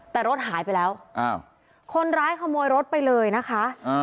แต่รถหายไปแล้วคนร้ายขโมยรถไปเลยนะคะ